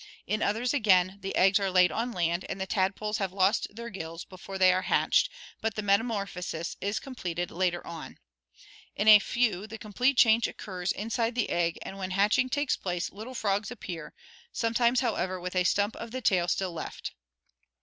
In others, again, the eggs are laid on land, and the tadpoles have lost their gills before they are hatched, but the metamorphosis is completed later on. In a few the complete change occurs inside the egg, and when hatching takes place, little frogs appear, sometimes, how an^ Kf°'t Anim<u USt [D' Appl* ever, with a stump of the tail still n "* left.